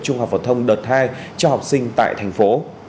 trung học phổ thông đợt hai cho học sinh tại thành phố